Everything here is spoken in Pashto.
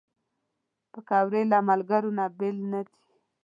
پکورې له ملګرو نه بېل نه دي